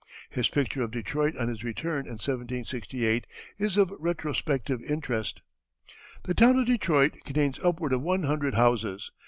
His picture of Detroit on his return, in 1768, is of retrospective interest. "The town of Detroit contains upward of one hundred houses.